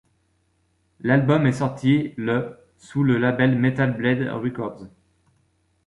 L'album est sorti le sous le label Metal Blade Records.